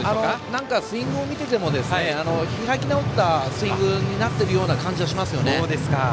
何かスイングを見ていても開き直ったスイングになってる感じしますよね。